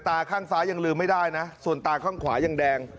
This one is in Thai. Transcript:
ตาข้างซ้ายยังลืมไม่ได้นะส่วนตาข้างขวายังแดง